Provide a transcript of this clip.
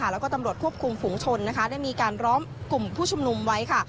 แล้วก็ตำรวจควบคุมฝุงชนได้มีการร้อมกลุ่มผู้ชุมนุมไว้